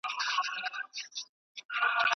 ¬ من خورم، سېر گټم، اوسم، که درځم.